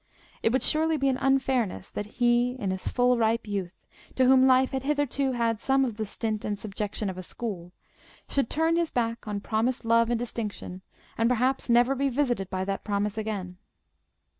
It would surely be an unfairness that he, in his full ripe youth, to whom life had hitherto had some of the stint and subjection of a school, should turn his back on promised love and distinction, and perhaps never be visited by that promise again.